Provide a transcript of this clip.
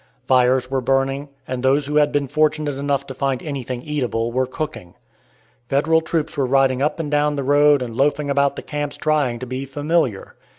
Fires were burning, and those who had been fortunate enough to find anything eatable were cooking. Federal troops were riding up and down the road and loafing about the camps trying to be familiar.